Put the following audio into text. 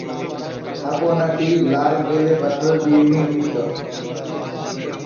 স্থাপনাটি লাল বেলেপাথর দিয়ে নির্মিত।